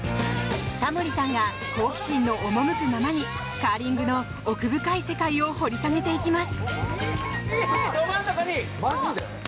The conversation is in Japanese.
タモリさんが好奇心の赴くままにカーリングの奥深い世界を掘り下げていきます。